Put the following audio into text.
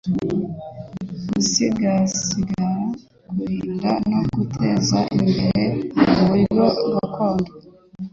Gusigasira kurinda no guteza imbere uburyo gakondo